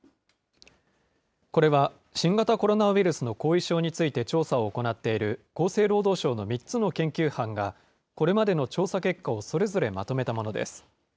これは新型コロナウイルスの後遺症について調査を行っている厚生労働省の３つの研究班が、これまでの調査結果をそれぞれまとめたものです。